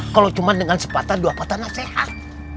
kalo cuma dengan sepatah dua patah nasihat